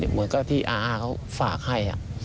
เหมือนกับที่อาเขาฝากให้